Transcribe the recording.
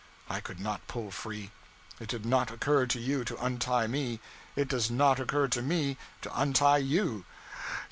I could not pull free. It did not occur to you to untie me; it does not occur to me to untie you.